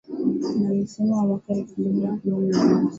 na msimu wa mwaka elfu mbili na kumi na moja